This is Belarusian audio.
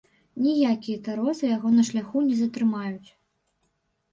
Ніякія таросы яго на шляху не затрымаюць.